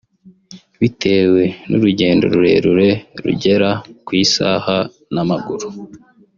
Bitewe n’urugendo rurerure rugera ku isaha n’amaguru